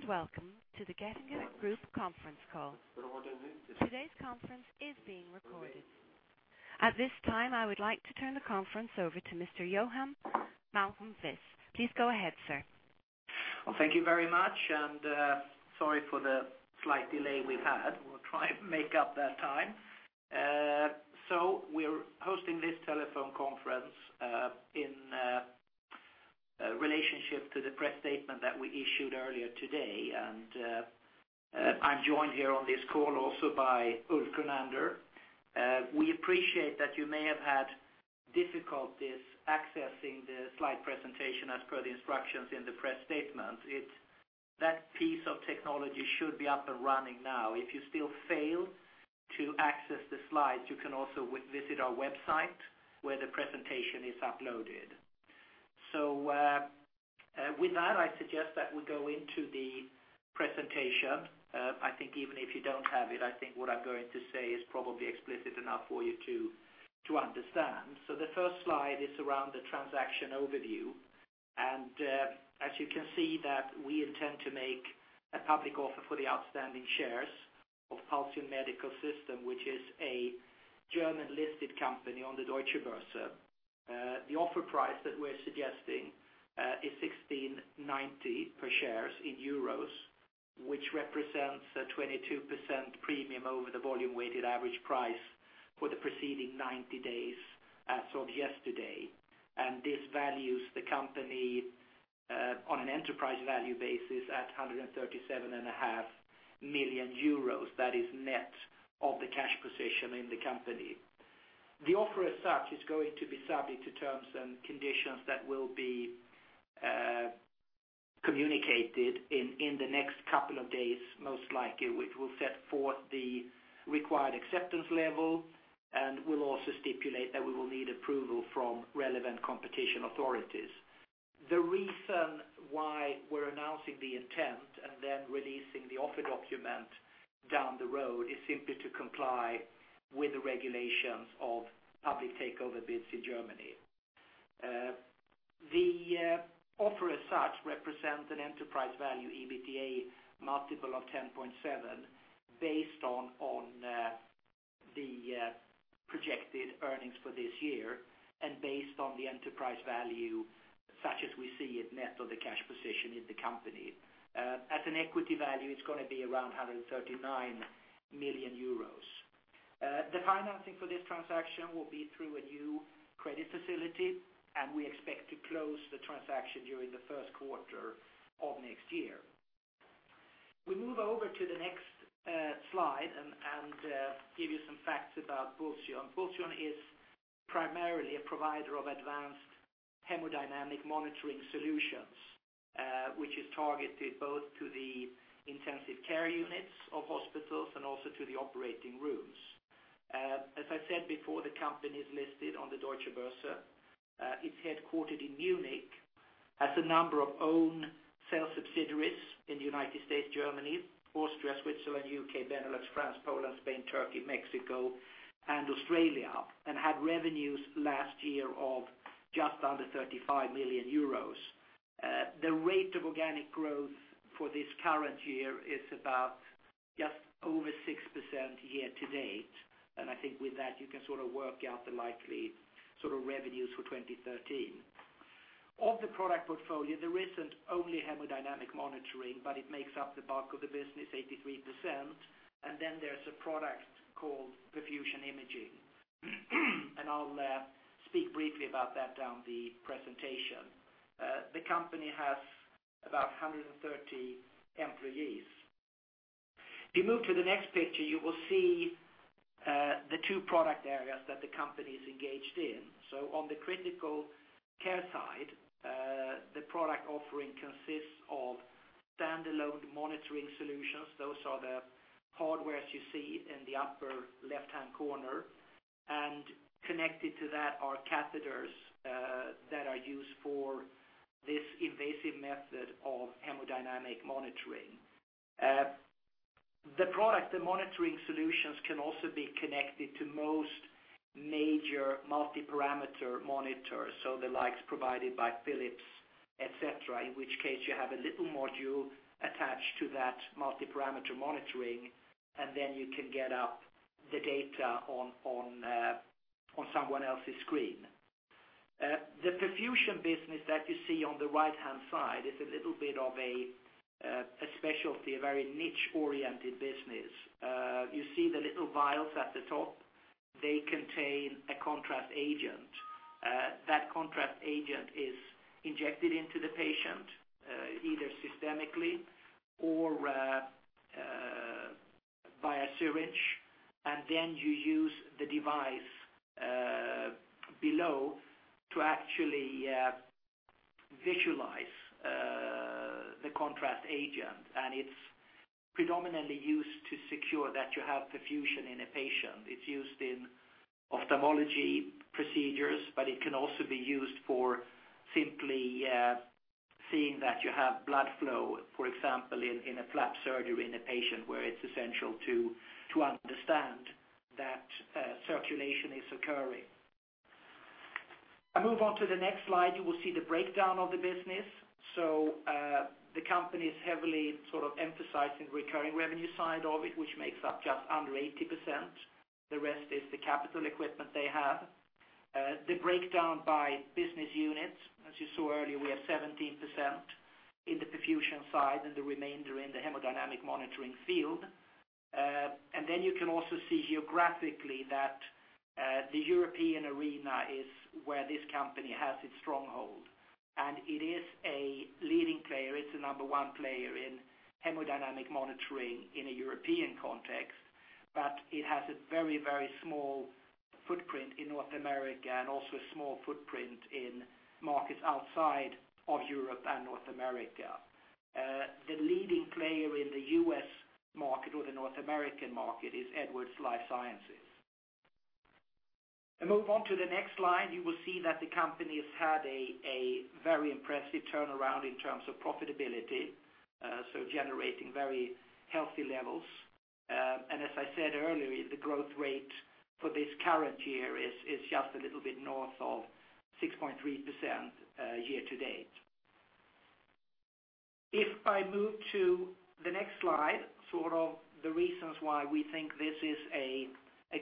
Good day, and welcome to the Getinge Group conference call. Today's conference is being recorded. At this time, I would like to turn the conference over to Mr. Johan Malmquist. Please go ahead, sir. Well, thank you very much, and sorry for the slight delay we've had. We'll try to make up that time. So we're hosting this telephone conference in relationship to the press statement that we issued earlier today, and I'm joined here on this call also by Ulf Grunander. We appreciate that you may have had difficulties accessing the slide presentation as per the instructions in the press statement. It's that piece of technology should be up and running now. If you still fail to access the slides, you can also visit our website, where the presentation is uploaded. So with that, I suggest that we go into the presentation. I think even if you don't have it, I think what I'm going to say is probably explicit enough for you to understand. The first slide is around the transaction overview. As you can see that we intend to make a public offer for the outstanding shares of Pulsion Medical Systems, which is a German-listed company on the Deutsche Börse. The offer price that we're suggesting is 16.90 per shares, which represents a 22% premium over the volume-weighted average price for the preceding 90 days, as of yesterday. This values the company on an enterprise value basis at 137.5 million euros. That is net of the cash position in the company. The offer, as such, is going to be subject to terms and conditions that will be communicated in the next couple of days, most likely, which will set forth the required acceptance level and will also stipulate that we will need approval from relevant competition authorities. The reason why we're announcing the intent and then releasing the offer document down the road is simply to comply with the regulations of public takeover bids in Germany. The offer as such represents an enterprise value EBITDA multiple of 10.7, based on the projected earnings for this year and based on the enterprise value, such as we see it, net of the cash position in the company. As an equity value, it's gonna be around 139 million euros. The financing for this transaction will be through a new credit facility, and we expect to close the transaction during the first quarter of next year. We move over to the next slide and give you some facts about Pulsion. Pulsion is primarily a provider of advanced hemodynamic monitoring solutions, which is targeted both to the intensive care units of hospitals and also to the operating rooms. As I said before, the company is listed on the Deutsche Börse. It's headquartered in Munich, has a number of own sales subsidiaries in the United States, Germany, Austria, Switzerland, UK, Benelux, France, Poland, Spain, Turkey, Mexico, and Australia, and had revenues last year of just under 35 million euros. The rate of organic growth for this current year is about just over 6% year-to-date, and I think with that, you can sort of work out the likely sort of revenues for 2013. Of the product portfolio, there isn't only hemodynamic monitoring, but it makes up the bulk of the business, 83%, and then there's a product called perfusion imaging. And I'll speak briefly about that down the presentation. The company has about 130 employees. If you move to the next picture, you will see the two product areas that the company is engaged in. So on the critical care side, the product offering consists of standalone monitoring solutions. Those are the hardware's you see in the upper left-hand corner, and connected to that are catheters that are used for this invasive method of hemodynamic monitoring. The product, the monitoring solutions, can also be connected to most major multiparameter monitors, so the likes provided by Philips, et cetera. In which case, you have a little module attached to that multiparameter monitoring, and then you can get up the data on someone's screen. The perfusion business that you see on the right-hand side is a little bit of a specialty, a very niche-oriented business. You see the little vials at the top, they contain a contrast agent. That contrast agent is injected into the patient, either systemically or via syringe, and then you use the device below to actually visualize the contrast agent. And it's predominantly used to secure that you have perfusion in a patient. It's used in ophthalmology procedures, but it can also be used for simply seeing that you have blood flow, for example, in a flap surgery in a patient where it's essential to understand that circulation is occurring. I move on to the next slide. You will see the breakdown of the business. So the company is heavily sort of emphasizing the recurring revenue side of it, which makes up just under 80%. The rest is the capital equipment they have. The breakdown by business units, as you saw earlier, we have 17% in the perfusion side and the remainder in the hemodynamic monitoring field. And then you can also see geographically that the European arena is where this company has its stronghold, and it is a leading player. It's the number one player in hemodynamic monitoring in a European context, but it has a very, very small footprint in North America and also a small footprint in markets outside of Europe and North America. The leading player in the U.S. market or the North American market is Edwards Lifesciences. I move on to the next slide, you will see that the company has had a very impressive turnaround in terms of profitability, so generating very healthy levels. And as I said earlier, the growth rate for this current year is just a little bit north of 6.3%, year to date. If I move to the next slide, sort of the reasons why we think this is a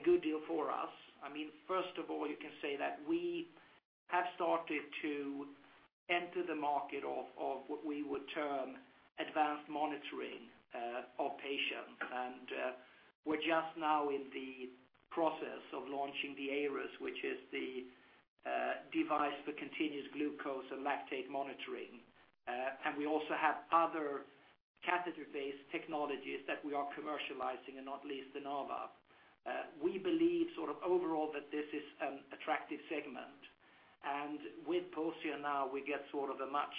good deal for us. I mean, first of all, you can say that we have started to enter the market of what we would term advanced monitoring of patients. And we're just now in the process of launching the Eirus, which is the device for continuous glucose and lactate monitoring. And we also have other catheter-based technologies that we are commercializing, and not least the NAVA. We believe sort of overall that this is an attractive segment. And with Pulsion now, we get sort of a much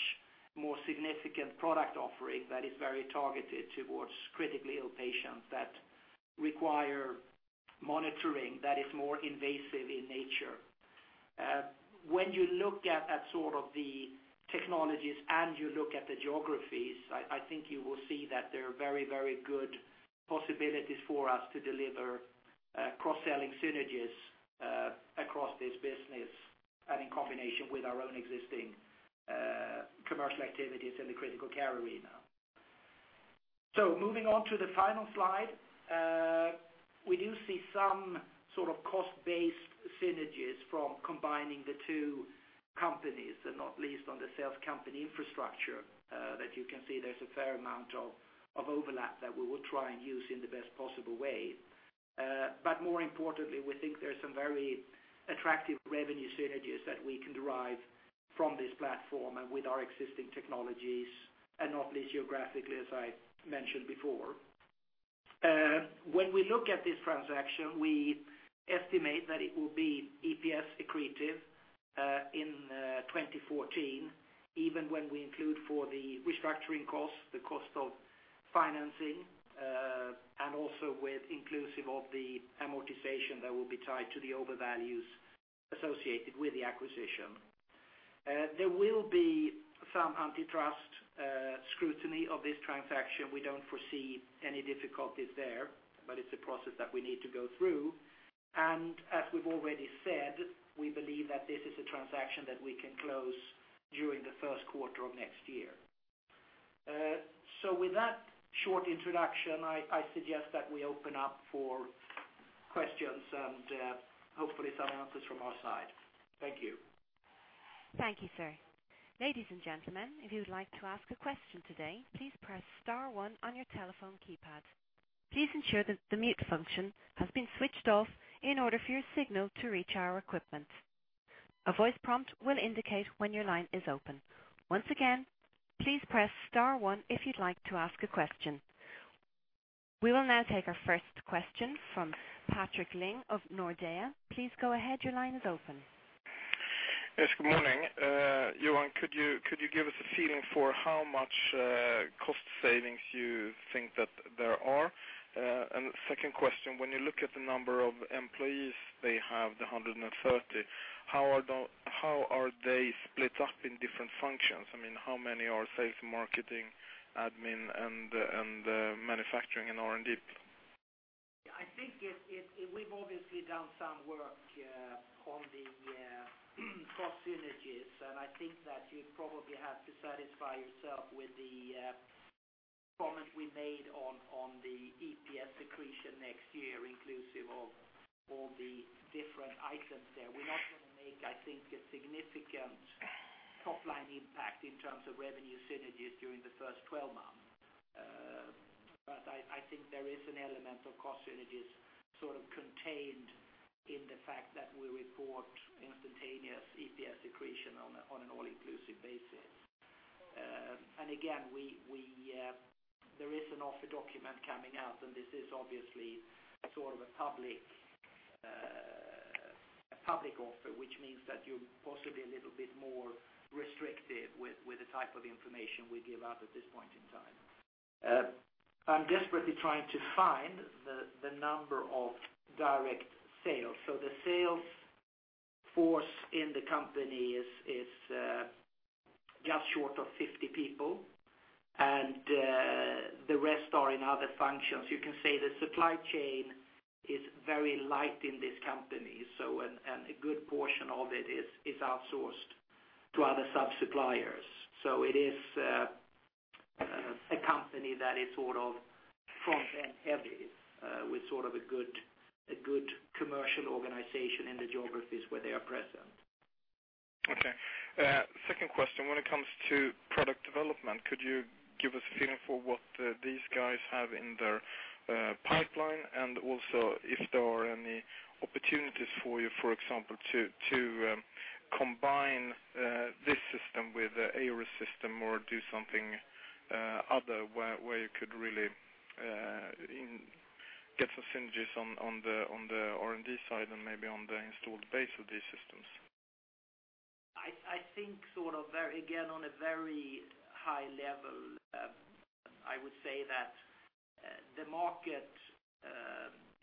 more significant product offering that is very targeted towards critically ill patients that require monitoring, that is more invasive in nature. When you look at sort of the technologies and you look at the geographies, I think you will see that there are very, very good possibilities for us to deliver cross-selling synergies across this business and in combination with our own existing commercial activities in the critical care arena. So moving on to the final slide, we do see some sort of cost-based synergies from combining the two companies, and not least on the sales company infrastructure that you can see there's a fair amount of overlap that we will try and use in the best possible way. But more importantly, we think there are some very attractive revenue synergies that we can derive from this platform and with our existing technologies, and not least geographically, as I mentioned before. When we look at this transaction, we estimate that it will be EPS accretive in 2014, even when we include for the restructuring costs, the cost of financing, and also with inclusive of the amortization that will be tied to the overvalues associated with the acquisition. There will be some antitrust scrutiny of this transaction. We don't foresee any difficulties there, but it's a process that we need to go through. And as we've already said, we believe that this is a transaction that we can close during the first quarter of next year. So with that short introduction, I suggest that we open up for questions and hopefully some answers from our side. Thank you. Thank you, sir. Ladies and gentlemen, if you would like to ask a question today, please press star one on your telephone keypad. Please ensure that the mute function has been switched off in order for your signal to reach our equipment. A voice prompt will indicate when your line is open. Once again, please press star one if you'd like to ask a question. We will now take our first question from Patrik Ling of Nordea. Please go ahead. Your line is open. Yes, good morning. Johan, could you give us a feeling for how much cost savings you think that there are? And second question, when you look at the number of employees, they have 130, how are they split up in different functions? I mean, how many are sales, marketing, admin, and manufacturing and R&D? I think we've obviously done some work on the cost synergies, and I think that you probably have to satisfy yourself with the comment we made on the EPS accretion next year, inclusive of all the different items there. We're not going to make, I think, a significant top-line impact in terms of revenue synergies during the first 12 months. But I think there is an element of cost synergies sort of contained in the fact that we report instantaneous EPS accretion on an all-inclusive basis. And again, there is an offer document coming out, and this is obviously sort of a public offer, which means that you're possibly a little bit more restrictive with the type of information we give out at this point in time. I'm desperately trying to find the number of direct sales. So the sales force in the company is just short of 50 people, and the rest are in other functions. You can say the supply chain is very light in this company, so, and a good portion of it is outsourced to other sub-suppliers. So it is a company that is sort of front-end heavy with sort of a good commercial organization in the geographies where they are present. Okay. Second question, when it comes to product development, could you give us a feeling for what these guys have in their pipeline? And also, if there are any opportunities for you, for example, to combine this system with the Eirus system or do something other, where you could really in get some synergies on the R&D side and maybe on the installed base of these systems? I think sort of very, again, on a very high level, I would say that the market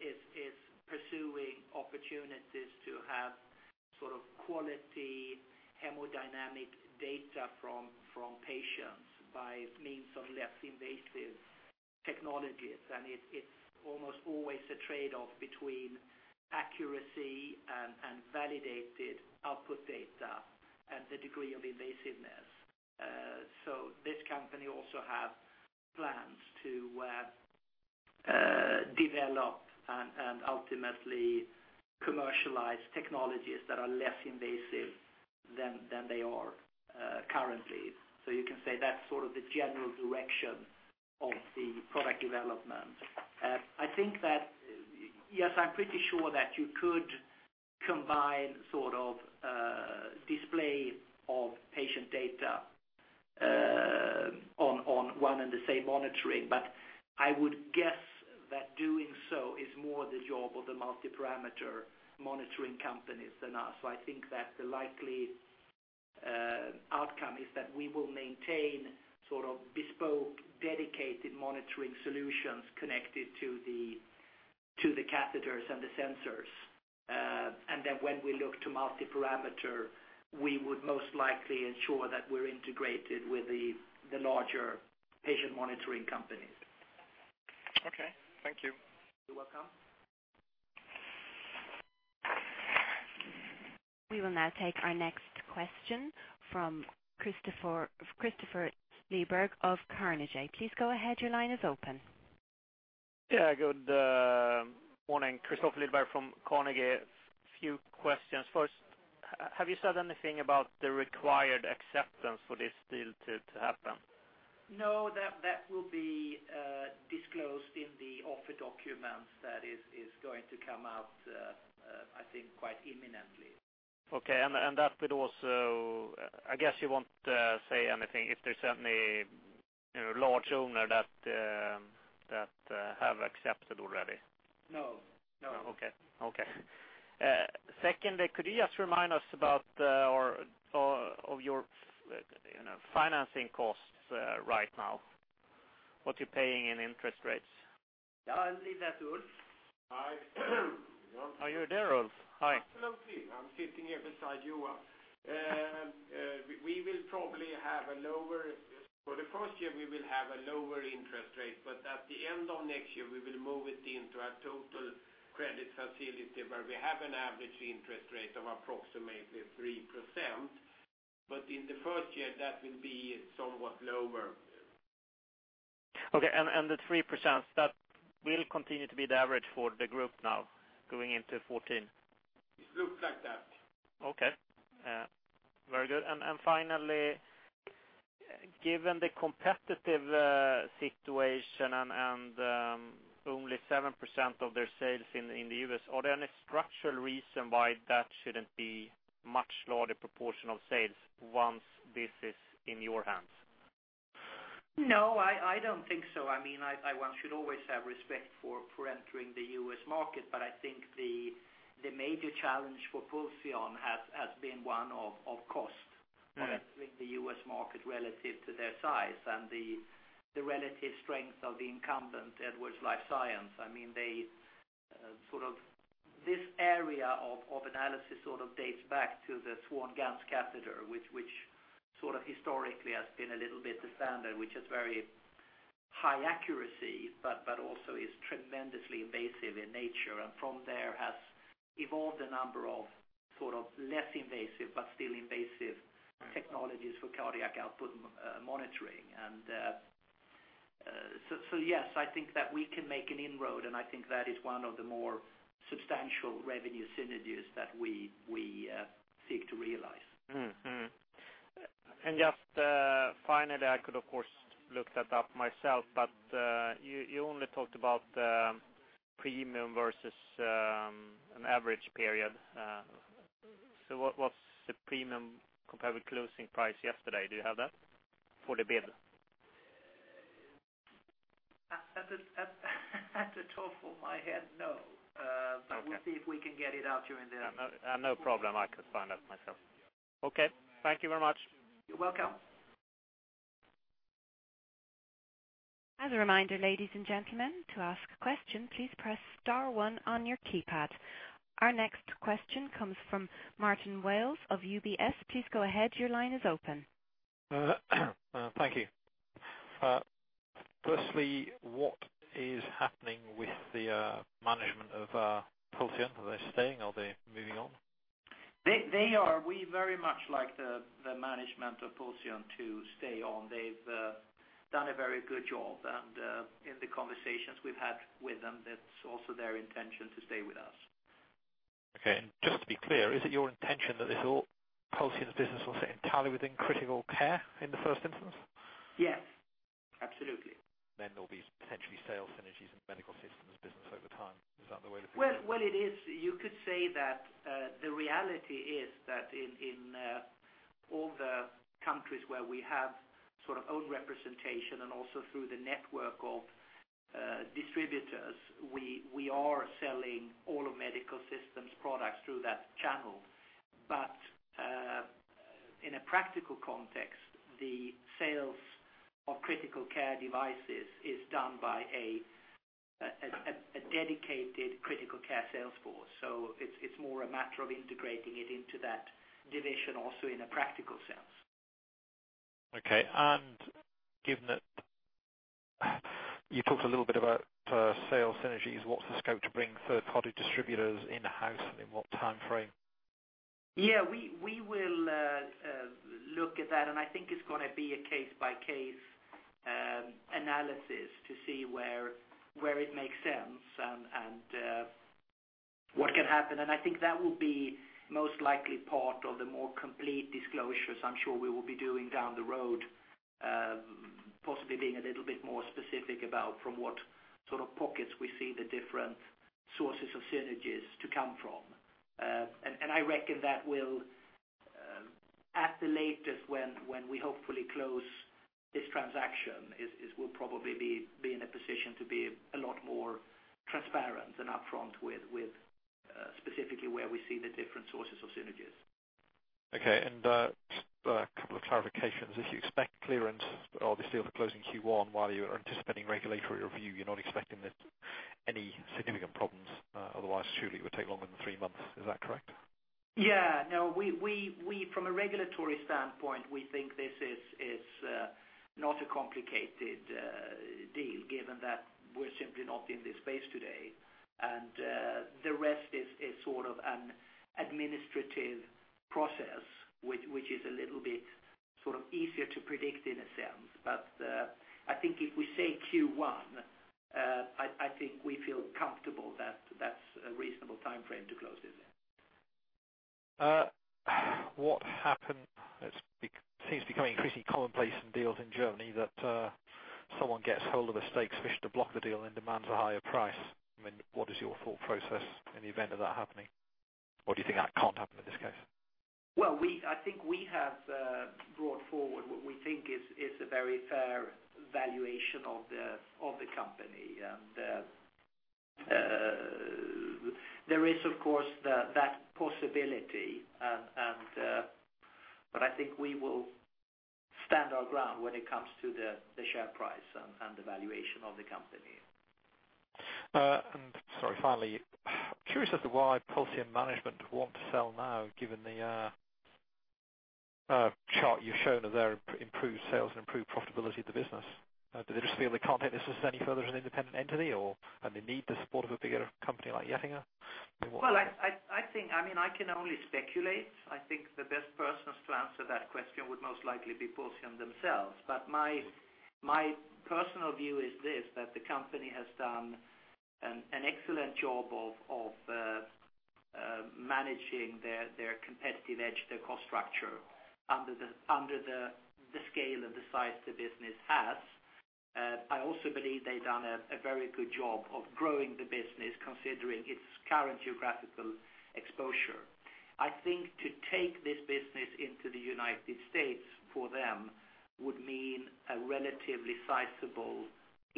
is pursuing opportunities to have sort of quality hemodynamic data from patients by means of less invasive technologies. It's almost always a trade-off between accuracy and validated output data and the degree of invasiveness. So this company also have plans to develop and ultimately commercialize technologies that are less invasive than they are currently. So you can say that's sort of the general direction of the product development. I think that, yes, I'm pretty sure that you could combine sort of display of patient data on one and the same monitoring. But I would guess that doing so is more the job of the multiparameter monitoring companies than us. I think that the likely outcome is that we will maintain sort of bespoke, dedicated monitoring solutions connected to the catheters and the sensors. And then when we look to multiparameter, we would most likely ensure that we're integrated with the larger patient monitoring companies. Okay, thank you. You're welcome. We will now take our next question from Kristofer Liljeberg of Carnegie. Please go ahead, your line is open. Yeah, good morning. Kristofer Liljeberg from Carnegie. Few questions. First, have you said anything about the required acceptance for this deal to happen? No, that will be disclosed in the offer documents that is going to come out, I think, quite imminently. Okay. And that would also I guess you won't say anything if there's any, you know, large owner that that have accepted already. No. No. Okay. Okay. Secondly, could you just remind us about or of your, you know, financing costs, right now, what you're paying in interest rates? Yeah, I'll leave that to Ulf. Hi. Are you there, Ulf? Hi. Absolutely. I'm sitting here beside you. We will probably have a lower, for the first year, we will have a lower interest rate, but at the end of next year, we will move it into our total credit facility, where we have an average interest rate of approximately 3%, but in the first year, that will be somewhat lower. Okay. And the 3%, that will continue to be the average for the group now, going into 2014? It looks like that. Okay. Very good. And finally, given the competitive situation and only 7% of their sales in the U.S., are there any structural reason why that shouldn't be much larger proportion of sales once this is in your hands? No, I don't think so. I mean, one should always have respect for entering the U.S. market, but I think the major challenge for Pulsion has been one of cost with the U.S. market relative to their size and the relative strength of the incumbent, Edwards Lifesciences. I mean, they sort of, this area of analysis sort of dates back to the Swan-Ganz catheter, which sort of historically has been a little bit the standard, which is very high accuracy, but also is tremendously invasive in nature. And from there, has evolved a number of sort of less invasive, but still invasive technologies for cardiac output monitoring. And so yes, I think that we can make an inroad, and I think that is one of the more substantial revenue synergies that we seek to realize. Mm-hmm. Mm-hmm. And just, finally, I could, of course, look that up myself, but, you only talked about premium versus an average period. So what, what's the premium compared with closing price yesterday? Do you have that, for the bid? At the top of my head, no. We'll see if we can get it out during the day. No, no problem. I could find out myself. Okay, thank you very much. You're welcome. As a reminder, ladies and gentlemen, to ask a question, please press star one on your keypad. Our next question comes from Martin Wales of UBS. Please go ahead. Your line is open. Thank you. Firstly, what is happening with the management of Pulsion? Are they staying, are they moving on? They are. We very much like the management of Pulsion to stay on. They've done a very good job, and in the conversations we've had with them, that's also their intention to stay with us. Okay. And just to be clear, is it your intention that this all, Pulsion's business will sit entirely within critical care in the first instance? Yes, absolutely. Then there'll be potentially sales synergies in Medical Systems business over time. Is that the way you're thinking? Well, it is. You could say that, the reality is that in all the countries where we have sort of own representation and also through the network of distributors, we are selling all of Medical Systems products through that channel. But in a practical context, the sales of critical care devices is done by a dedicated critical care sales force. So it's more a matter of integrating it into that division also in a practical sense. Okay. Given that you talked a little bit about sales synergies, what's the scope to bring third-party distributors in-house, and in what time frame? Yeah, we will look at that, and I think it's gonna be a case-by-case analysis to see where it makes sense and what can happen. I think that will be most likely part of the more complete disclosures I'm sure we will be doing down the road, possibly being a little bit more specific about from what sort of pockets we see the different sources of synergies to come from. I reckon that will, at the latest, when we hopefully close this transaction, we'll probably be in a position to be a lot more transparent and upfront with specifically where we see the different sources of synergies. Okay. And, a couple of clarifications. If you expect clearance, obviously, for closing Q1, while you are anticipating regulatory review, you're not expecting that any significant problems, otherwise, surely it would take longer than three months. Is that correct? Yeah. No, we from a regulatory standpoint, we think this is not a complicated deal, given that we're simply not in this space today. And the rest is sort of an administrative process, which is a little bit sort of easier to predict in a sense. But I think if we say Q1, I think we feel comfortable that that's a reasonable time frame to close this. What happened? It seems to be becoming increasingly commonplace in deals in Germany that someone gets hold of the stakes, wish to block the deal and demands a higher price. I mean, what is your thought process in the event of that happening, or do you think that can't happen in this case? Well, I think we have brought forward what we think is a very fair valuation of the company. And there is, of course, that possibility. But I think we will stand our ground when it comes to the share price and the valuation of the company. And sorry, finally, I'm curious as to why Pulsion management want to sell now, given the chart you've shown of their improved sales and improved profitability of the business. Do they just feel they can't take this business any further as an independent entity, or, and they need the support of a bigger company like Getinge? Well, I think I mean, I can only speculate. I think the best persons to answer that question would most likely be Pulsion themselves. But my personal view is this, that the company has done an excellent job of managing their competitive edge, their cost structure under the scale and the size the business has. I also believe they've done a very good job of growing the business, considering its current geographical exposure. I think to take this business into the United States, for them, would mean a relatively sizable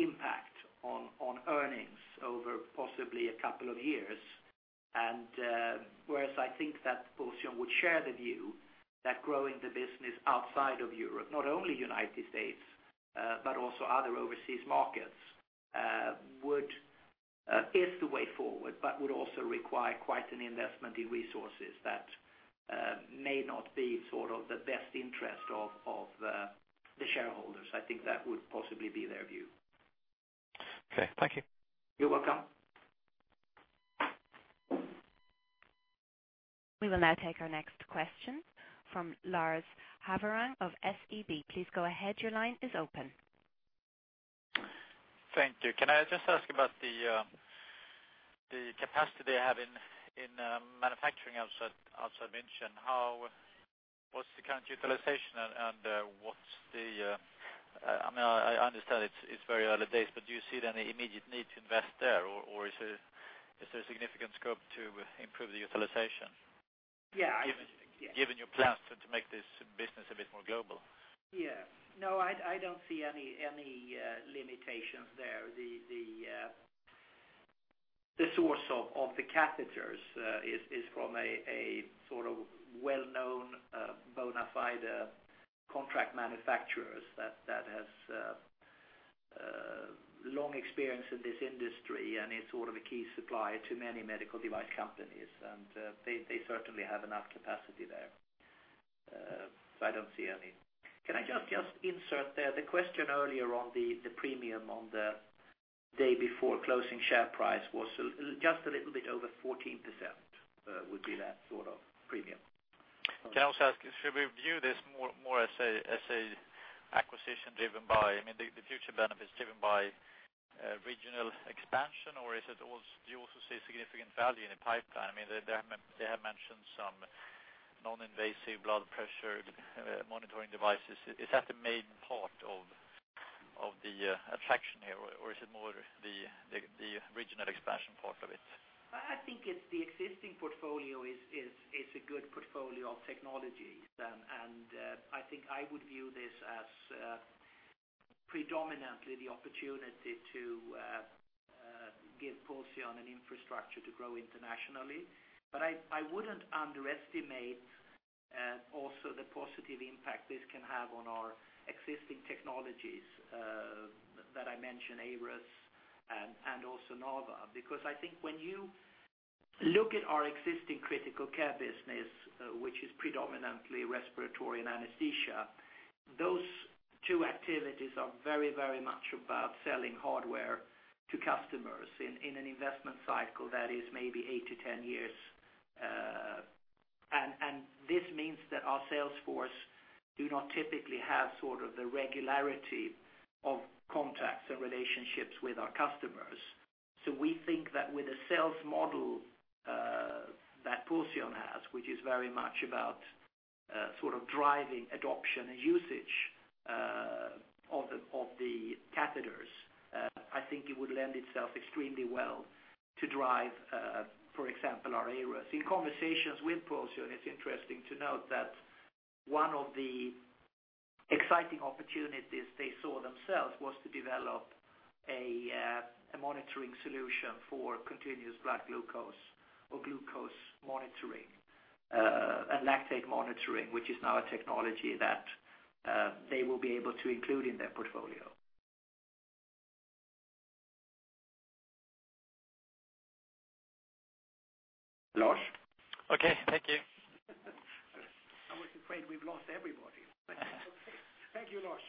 impact on earnings over possibly a couple of years. Whereas I think that Pulsion would share the view that growing the business outside of Europe, not only United States, but also other overseas markets, would is the way forward, but would also require quite an investment in resources that may not be sort of the best interest of, of, the shareholders. I think that would possibly be their view. Okay. Thank you. You're welcome. We will now take our next question from Lars Hevreng of SEB. Please go ahead. Your line is open. Thank you. Can I just ask about the capacity they have in manufacturing, as I mentioned, what's the current utilization, and what's the I mean, I understand it's very early days, but do you see any immediate need to invest there, or is there significant scope to improve the utilization? Given your plans to make this business a bit more global. Yeah. No, I don't see any limitations there. The source of the catheters is from a sort of well-known bona fide contract manufacturers that has long experience in this industry and is sort of a key supplier to many medical device companies. And they certainly have enough capacity there. So I don't see any. Can I just insert there, the question earlier on the premium on the day before closing share price was just a little bit over 14%, would be that sort of premium. Can I also ask, should we view this more, more as a, as a acquisition driven by, I mean, the, the future benefits driven by regional expansion? Or is it also do you also see significant value in the pipeline? I mean, they, they have mentioned some non-invasive blood pressure monitoring devices. Is that the main part of, of the attraction here, or is it more the, the, the regional expansion part of it? I think it's the existing portfolio is a good portfolio of technologies. And I think I would view this as give Pulsion an infrastructure to grow internationally. But I wouldn't underestimate also the positive impact this can have on our existing technologies that I mentioned, Eirus and also NAVA. Because I think when you look at our existing critical care business, which is predominantly respiratory and anesthesia, those two activities are very, very much about selling hardware to customers in an investment cycle that is maybe eight to 10 years. And this means that our sales force do not typically have sort of the regularity of contacts and relationships with our customers. So we think that with a sales model that Pulsion has, which is very much about sort of driving adoption and usage of the of the catheters, I think it would lend itself extremely well to drive for example our Eirus. In conversations with Pulsion, it's interesting to note that one of the exciting opportunities they saw themselves was to develop a a monitoring solution for continuous blood glucose or glucose monitoring and lactate monitoring, which is now a technology that they will be able to include in their portfolio. Lars? Okay, thank you. I was afraid we've lost everybody. Thank you, Lars.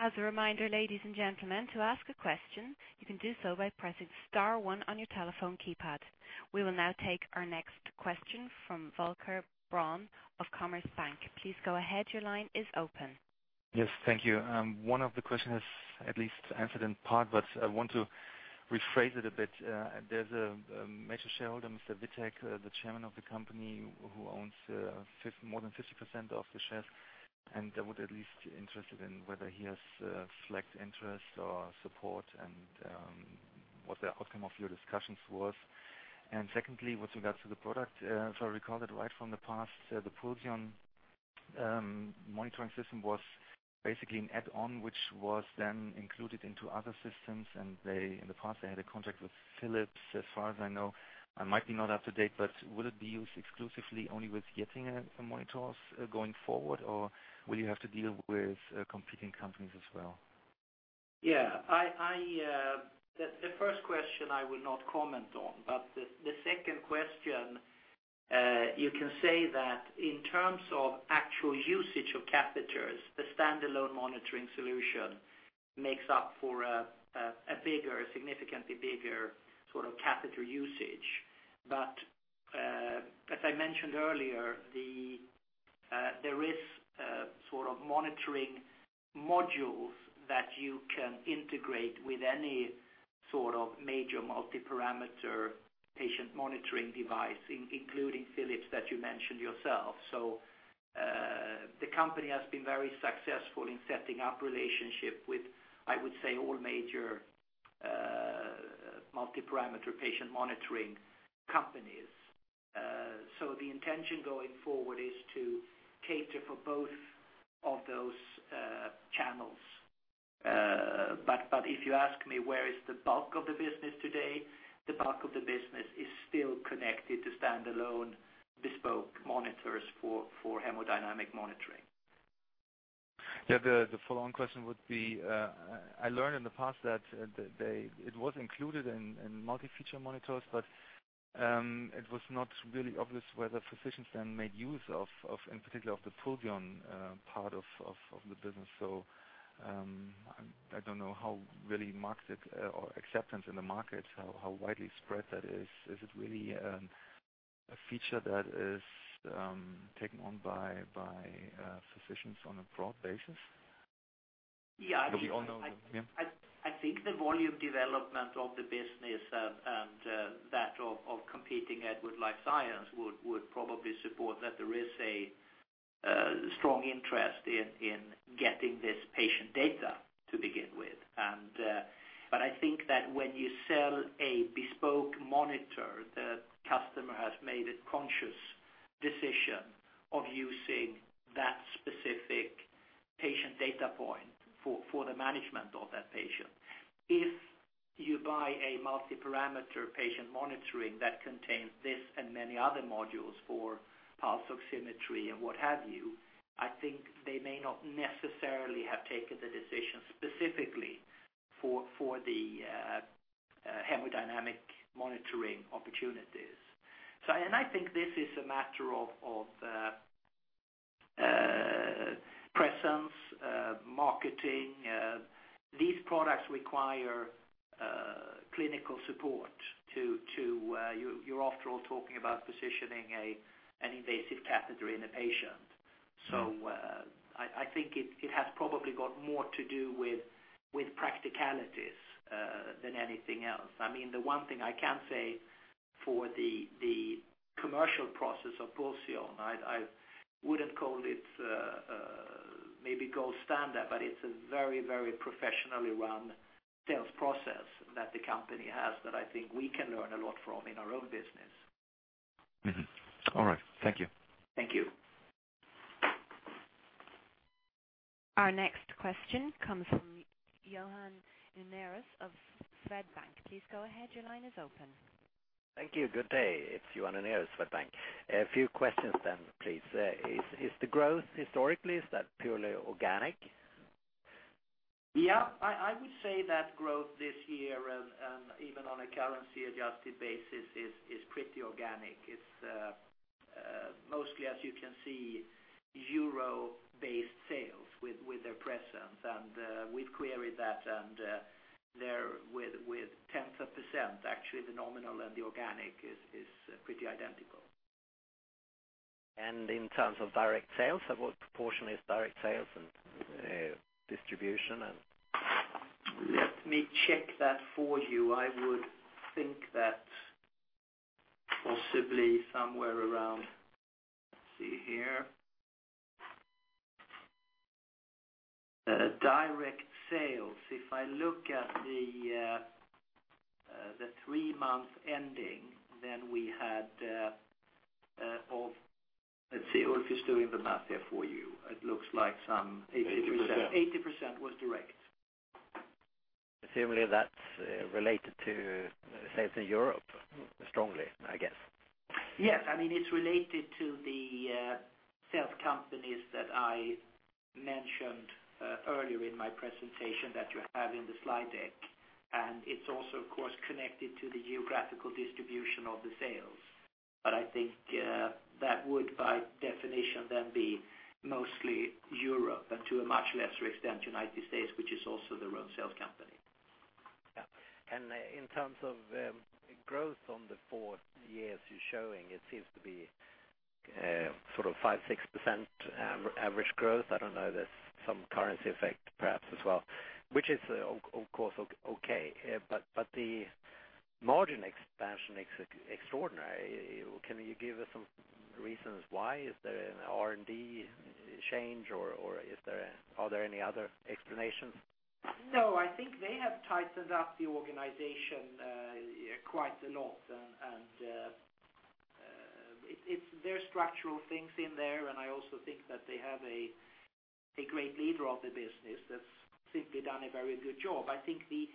As a reminder, ladies and gentlemen, to ask a question, you can do so by pressing star one on your telephone keypad. We will now take our next question from Volker Braun of Commerzbank. Please go ahead. Your line is open. Yes, thank you. One of the questions is at least answered in part, but I want to rephrase it a bit. There's a major shareholder, Mr. Wittek, the chairman of the company, who owns more than 50% of the shares, and I would at least be interested in whether he has select interest or support and what the outcome of your discussions was. Secondly, with regard to the product, if I recall it right from the past, the Pulsion monitoring system was basically an add-on, which was then included into other systems, and they, in the past, had a contract with Philips, as far as I know. I might be not up to date, but would it be used exclusively only with Getinge monitors going forward, or will you have to deal with competing companies as well? Yeah, the first question I will not comment on. But the second question, you can say that in terms of actual usage of catheters, the standalone monitoring solution makes up for a bigger, a significantly bigger sort of catheter usage. But as I mentioned earlier, there is sort of monitoring modules that you can integrate with any sort of major multiparameter patient monitoring device, including Philips, that you mentioned yourself. So the company has been very successful in setting up relationship with, I would say, all major multiparameter patient monitoring companies. So the intention going forward is to cater for both of those channels. But if you ask me, where is the bulk of the business today? The bulk of the business is still connected to standalone bespoke monitors for hemodynamic monitoring. Yeah, the follow-on question would be, I learned in the past that they, it was included in multiparameter monitors, but it was not really obvious whether physicians then made use of, in particular, of the Pulsion part of the business. So, I don't know how real the market or acceptance in the market, how widely spread that is. Is it really a feature that is taken on by physicians on a broad basis? Yeah. We all know, yeah. I think the volume development of the business and that of competing Edwards Lifesciences would probably support that there is a strong interest in getting this patient data to begin with. But I think that when you sell a bespoke monitor, the customer has made a conscious decision of using that specific patient data point for the management of that patient. If you buy a multiparameter patient monitoring that contains this and many other modules for pulse oximetry and what have you, I think they may not necessarily have taken the decision specifically for the hemodynamic monitoring opportunities. I think this is a matter of presence, marketing, these products require clinical support to you, you're after all talking about positioning an invasive catheter in a patient. So, I think it has probably got more to do with practicalities than anything else. I mean, the one thing I can say for the commercial process of Pulsion, I wouldn't call it maybe gold standard, but it's a very, very professionally run sales process that the company has that I think we can learn a lot from in our own business. Mm-hmm. All right. Thank you. Thank you. Our next question comes from Johan Unnérus of Swedbank. Please go ahead, your line is open. Thank you. Good day, it's Johan Unnérus, Swedbank. A few questions then, please. Is the growth historically, is that purely organic? Yeah, I would say that growth this year and even on a currency-adjusted basis is pretty organic. It's mostly, as you can see, euro-based sales with their presence. And we've queried that, and they're with 0.1%, actually, the nominal and the organic is pretty identical. In terms of direct sales, so what proportion is direct sales and, distribution and? Let me check that for you. I would think that possibly somewhere around. Let's see here. Direct sales. If I look at the three-month ending, then we had, let's see, Ulf is doing the math here for you. It looks like some 80%. Eighty percent. 80% was direct. Presumably, that's related to sales in Europe, strongly, I guess. Yes. I mean, it's related to the, sales companies that I mentioned, earlier in my presentation that you have in the slide deck. And it's also, of course, connected to the geographical distribution of the sales. But I think, that would, by definition, then be mostly Europe, and to a much lesser extent, United States, which is also their own sales company. Yeah. And in terms of growth on the four years you're showing, it seems to be sort of 5-6% average growth. I don't know, there's some currency effect, perhaps, as well, which is of course, okay. But the margin expansion is extraordinary. Can you give us some reasons why? Is there an R&D change, or are there any other explanations? No, I think they have tightened up the organization quite a lot, and it's there are structural things in there, and I also think that they have a great leader of the business that's simply done a very good job. I think the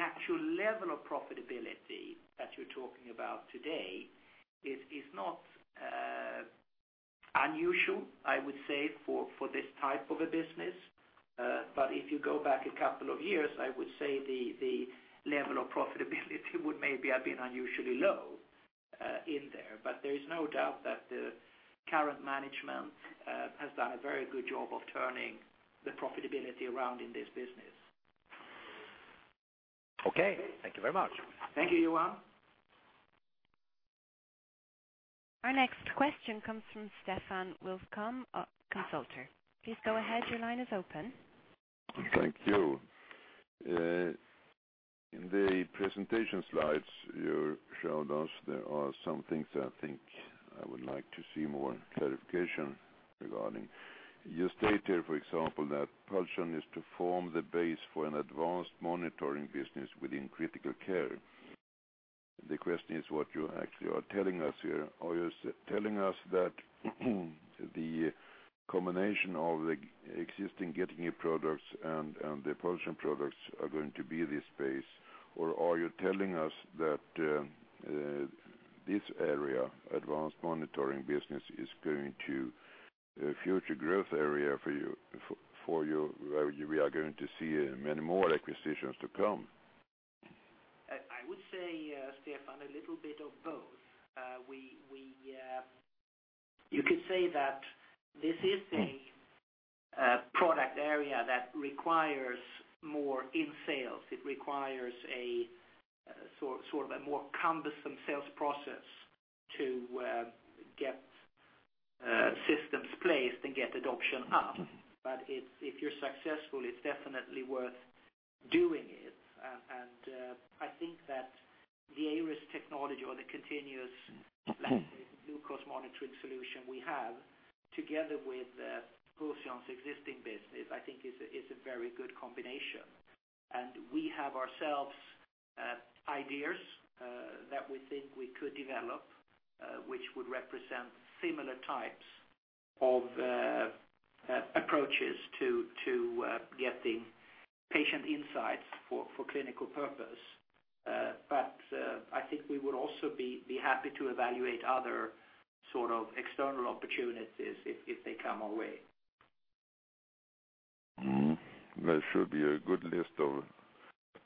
actual level of profitability that you're talking about today is not unusual, I would say, for this type of a business. But if you go back a couple of years, I would say the level of profitability would maybe have been unusually low in there. But there is no doubt that the current management has done a very good job of turning the profitability around in this business. Okay, thank you very much. Thank you, Johan. Our next question comes from Stefan Wikholm of Consultor. Please go ahead, your line is open. Thank you. In the presentation slides you showed us, there are some things that I think I would like to see more clarification regarding. You state here, for example, that Pulsion is to form the base for an advanced monitoring business within critical care. The question is what you actually are telling us here, are you telling us that the combination of the existing Getinge products and the Pulsion products are going to be this base? Or are you telling us that this area, advanced monitoring business, is going to a future growth area for you, where we are going to see many more acquisitions to come? I would say, Stefan, a little bit of both. You could say that this is a product area that requires more in sales. It requires a sort of a more cumbersome sales process to get systems placed and get adoption up. But if you're successful, it's definitely worth doing it. And I think that the Eirus technology or the continuous glucose monitoring solution we have, together with Pulsion's existing business, I think is a, is a very good combination. And we have ourselves ideas that we think we could develop, which would represent similar types of approaches to getting patient insights for clinical purpose. But I think we would also be happy to evaluate other sort of external opportunities if they come our way. There should be a good list of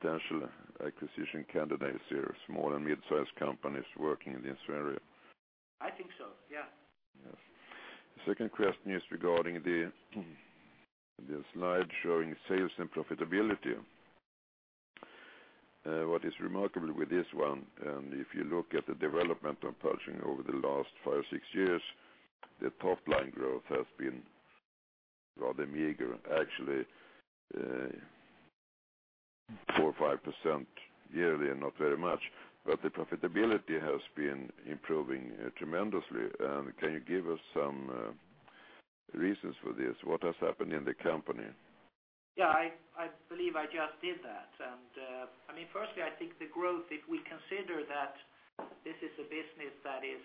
potential acquisition candidates here, small and mid-sized companies working in this area. I think so, yeah. Yes. The second question is regarding the slide showing sales and profitability. What is remarkable with this one, and if you look at the development of Pulsion over the last 5, 6 years, the top line growth has been rather meager. Actually, 4 or 5% yearly and not very much, but the profitability has been improving tremendously. And can you give us some reasons for this? What has happened in the company? Yeah, I believe I just did that. And, I mean, firstly, I think the growth, if we consider that this is a business that is,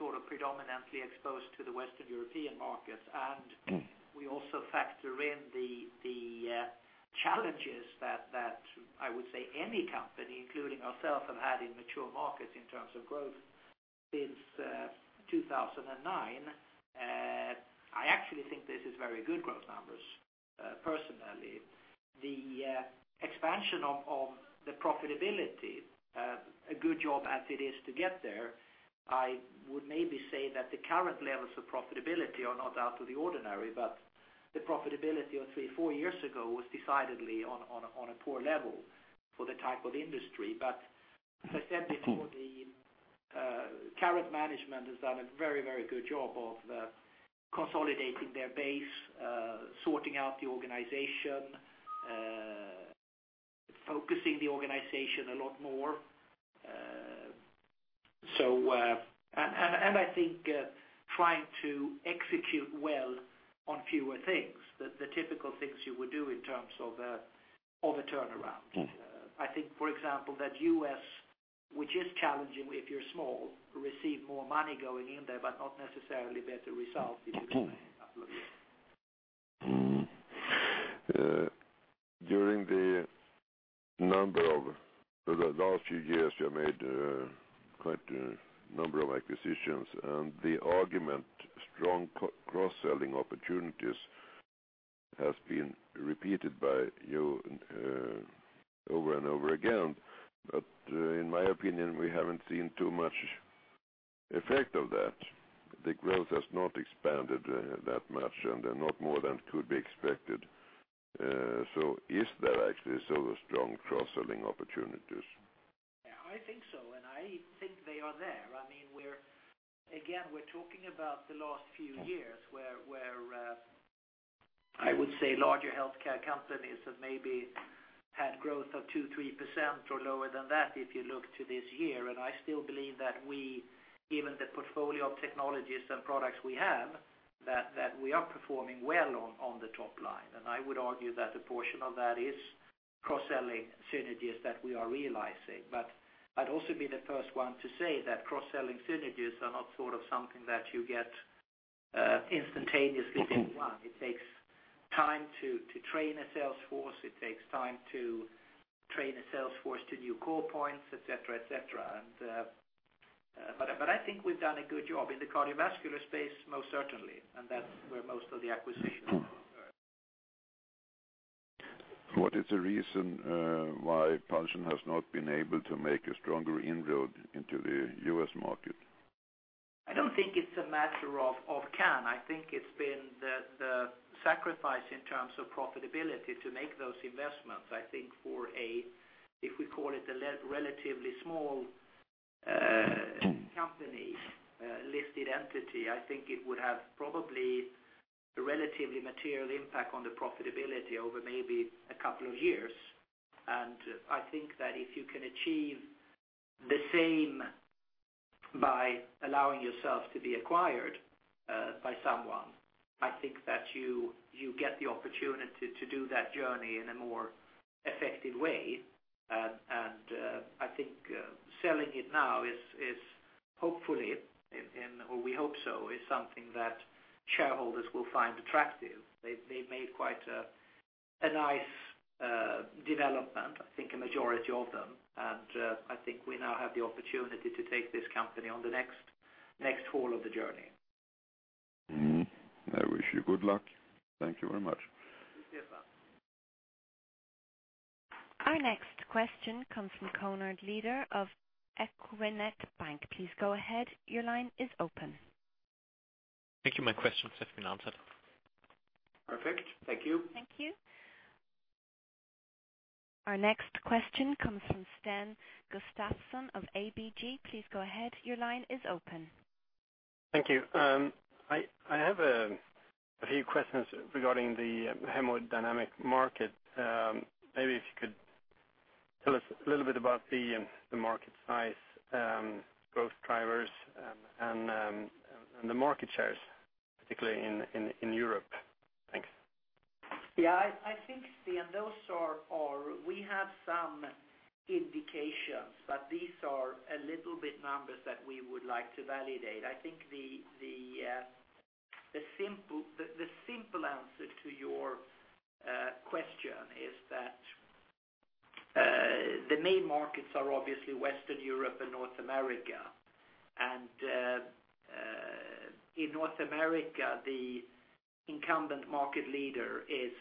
sort of predominantly exposed to the Western European markets, and we also factor in the challenges that I would say any company, including ourselves, have had in mature markets in terms of growth since 2009. I actually think this is very good growth numbers, personally. The expansion of the profitability, a good job as it is to get there, I would maybe say that the current levels of profitability are not out of the ordinary, but the profitability of three-four years ago was decidedly on a poor level for the type of industry. But as I said before, the current management has done a very, very good job of consolidating their base, sorting out the organization, focusing the organization a lot more. So, I think trying to execute well on fewer things, the typical things you would do in terms of a turnaround. I think, for example, that US, which is challenging if you're small, receive more money going in there, but not necessarily better results, if you may. Mm-hmm. For the last few years, you have made quite a number of acquisitions, and the argument, strong cross-selling opportunities, has been repeated by you over and over again. But in my opinion, we haven't seen too much effect of that. The growth has not expanded that much and not more than could be expected. So is there actually sort of strong cross-selling opportunities? Yeah, I think so, and I think they are there. I mean, we're again, we're talking about the last few years, where I would say larger healthcare companies have maybe had growth of 2%-3% or lower than that, if you look to this year. And I still believe that we, given the portfolio of technologies and products we have, that we are performing well on the top line. And I would argue that a portion of that is cross-selling synergies that we are realizing. But I'd also be the first one to say that cross-selling synergies are not sort of something that you get instantaneously in one. It takes time to train a sales force. It takes time to train a sales force to new call points, et cetera, et cetera. And, but I think we've done a good job in the cardiovascular space, most certainly, and that's where most of the acquisition are. What is the reason why Pulsion has not been able to make a stronger inroad into the U.S. market? I don't think it's a matter of can. I think it's been the sacrifice in terms of profitability to make those investments. I think for a, if we call it a relatively small company, listed entity, I think it would have probably a relatively material impact on the profitability over maybe a couple of years. I think that if you can achieve the same by allowing yourself to be acquired by someone, I think that you get the opportunity to do that journey in a more effective way. I think selling it now is hopefully, or we hope so, something that shareholders will find attractive. They've made quite a nice development, I think a majority of them. I think we now have the opportunity to take this company on the next haul of the journey. Mm-hmm. I wish you good luck. Thank you very much. Thank you. Our next question comes from Konrad Lieder of Equinet Bank. Please go ahead. Your line is open. Thank you. My questions have been answered. Perfect. Thank you. Thank you. Our next question comes from Sten Gustafsson of ABG. Please go ahead. Your line is open. Thank you. I have a few questions regarding the hemodynamic market. Tell us a little bit about the market size, growth drivers, and the market shares, particularly in Europe. Thanks. Yeah, I think, Sten, those are we have some indications, but these are a little bit numbers that we would like to validate. I think the simple answer to your question is that the main markets are obviously Western Europe and North America. And in North America, the incumbent market leader is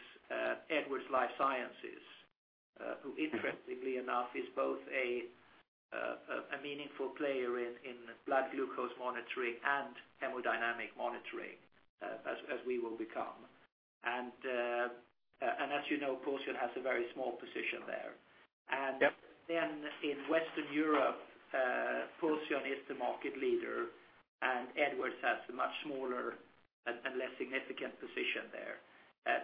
Edwards Lifesciences, who interestingly enough is both a meaningful player in blood glucose monitoring and hemodynamic monitoring, as we will become. And as you know, Pulsion has a very small position there. Then in Western Europe, Pulsion is the market leader, and Edwards has a much smaller and less significant position there.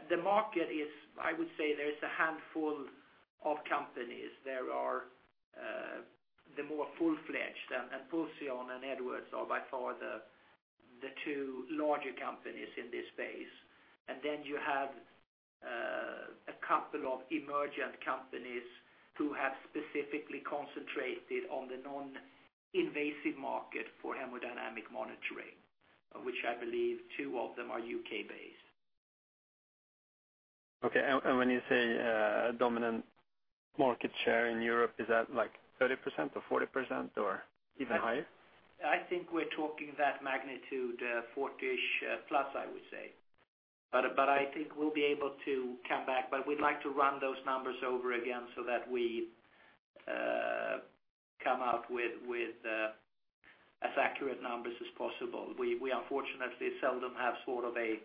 The market is. I would say there is a handful of companies. There are the more full-fledged, and Pulsion and Edwards are by far the two larger companies in this space. And then you have a couple of emergent companies who have specifically concentrated on the non-invasive market for hemodynamic monitoring, which I believe two of them are UK-based. Okay. And when you say, dominant market share in Europe, is that like 30% or 40%, or even higher? I think we're talking that magnitude, 40-ish, plus, I would say. But, but I think we'll be able to come back, but we'd like to run those numbers over again so that we, come out with, with, as accurate numbers as possible. We, we unfortunately seldom have sort of a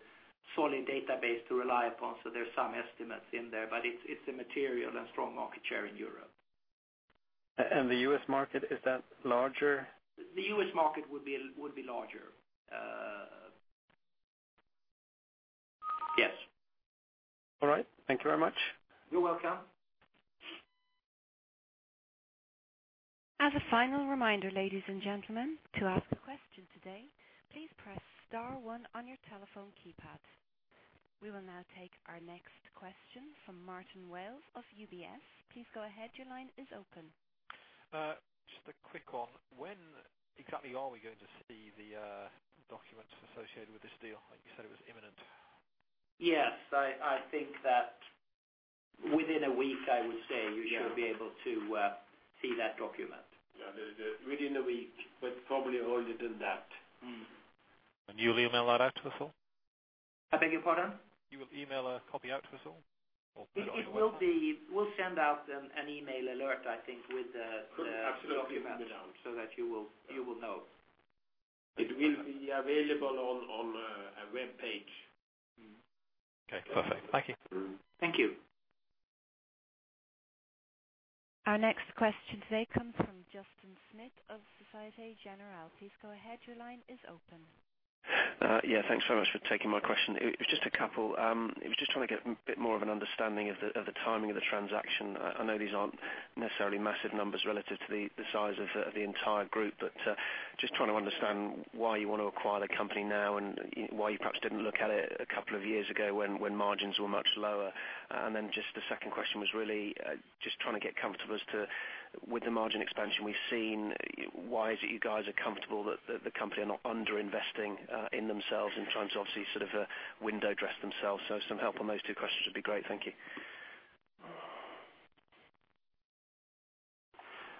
solid database to rely upon, so there's some estimates in there, but it's, it's a material and strong market share in Europe. The U.S. market, is that larger? The U.S. market would be, would be larger. Yes. All right. Thank you very much. You're welcome. As a final reminder, ladies and gentlemen, to ask a question today, please press star one on your telephone keypad. We will now take our next question from Martin Wales of UBS. Please go ahead. Your line is open. Just a quick one. When exactly are we going to see the documents associated with this deal? Like you said, it was imminent. Yes, I think that within a week, I would say, you should be able to see that document. Yeah, within the week, but probably earlier than that. You'll email that out to us all? I beg your pardon? You will email a copy out to us all, or put it on your website? It will be. We'll send out an email alert, I think, with the document, so that you will know. It will be available on a webpage. Okay, perfect. Thank you. Thank you. Our next question today comes from Justin Smith of Société Générale. Please go ahead. Your line is open. Yeah, thanks so much for taking my question. It, it was just a couple. It was just trying to get a bit more of an understanding of the, of the timing of the transaction. I, I know these aren't necessarily massive numbers relative to the, the size of, of the entire group, but just trying to understand why you want to acquire the company now and why you perhaps didn't look at it a couple of years ago when, when margins were much lower. And then just the second question was really just trying to get comfortable as to with the margin expansion we've seen, why is it you guys are comfortable that the, the company are not under investing in themselves and trying to obviously, sort of, window dress themselves? So some help on those two questions would be great. Thank you.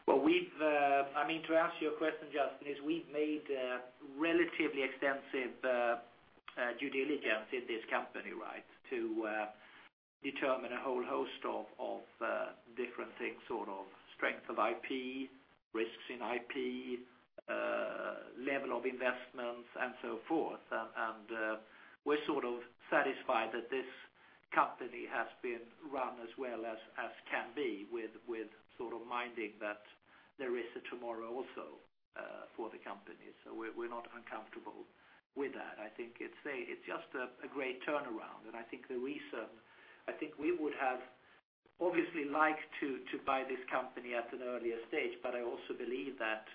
Well, we've I mean, to answer your question, Justin, is we've made a relatively extensive due diligence in this company, right? To determine a whole host of different things, sort of strength of IP, risks in IP, level of investments, and so forth. And we're sort of satisfied that this company has been run as well as can be, with sort of minding that there is a tomorrow also for the company. So we're not uncomfortable with that. I think it's just a great turnaround. And I think the reason, I think we would have obviously liked to buy this company at an earlier stage, but I also believe that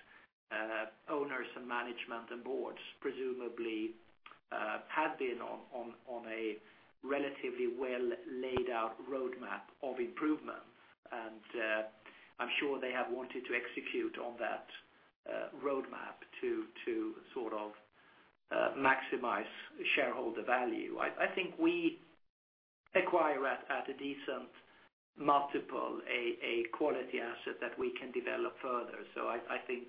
owners and management and boards presumably had been on a relatively well-laid-out roadmap of improvement. I'm sure they have wanted to execute on that roadmap to sort of maximize shareholder value. I think we acquire at a decent multiple, a quality asset that we can develop further. So I think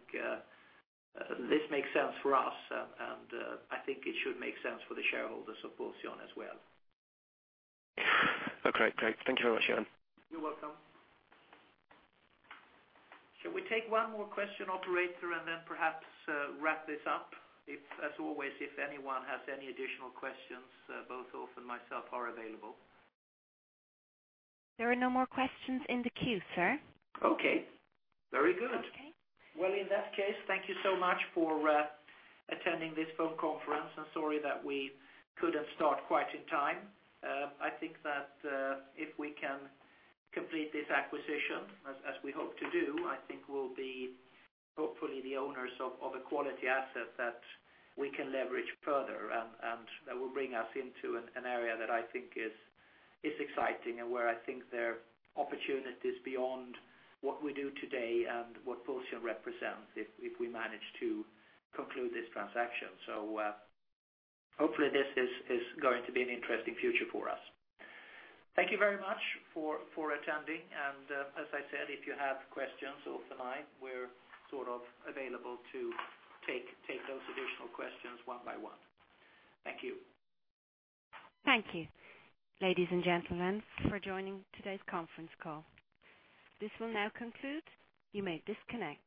this makes sense for us, and I think it should make sense for the shareholders of Pulsion as well. Okay, great. Thank you very much, Johan. You're welcome. Can we take one more question, operator, and then perhaps, wrap this up? If, as always, if anyone has any additional questions, both Ulf and myself are available. There are no more questions in the queue, sir. Okay, very good. Okay. Well, in that case, thank you so much for attending this phone conference, and sorry that we couldn't start quite in time. I think that if we can complete this acquisition, as we hope to do, I think we'll be, hopefully, the owners of a quality asset that we can leverage further, and that will bring us into an area that I think is exciting, and where I think there are opportunities beyond what we do today and what Pulsion represents, if we manage to conclude this transaction. So, hopefully, this is going to be an interesting future for us. Thank you very much for attending, and as I said, if you have questions, Ulf and I, we're sort of available to take those additional questions one by one. Thank you. Thank you, ladies and gentlemen, for joining today's conference call. This will now conclude. You may disconnect.